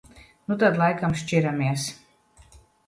Nu tad laikam šķiramies.